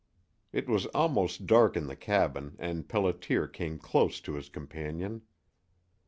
It was almost dark in the cabin, and Pelliter came close to his companion.